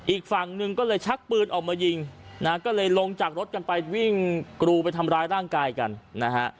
อีกฝั่งหนึ่งก็เลยชักปืนออกมายิงนะฮะก็เลยลงจากรถกันไปวิ่งกรูไปทำร้ายร่างกายกันนะฮะ